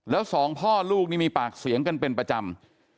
แล้วสองพ่อลูกนี่มีปากเสียงกันเป็นประจำ